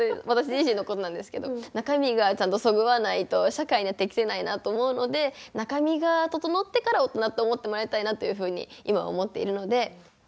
私自身のことなんですけど中身がちゃんとそぐわないと社会には適せないなと思うので中身が整ってから大人って思ってもらいたいなというふうに今は思っているので。